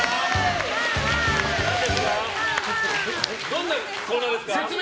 どんなコーナーですか？